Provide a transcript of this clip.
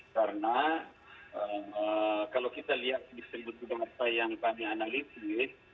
karena kalau kita lihat di sebutan yang kami analisis